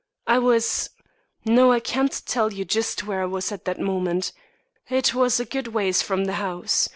"I was no, I can't tell you just where I was at that moment. It was a good ways from the house.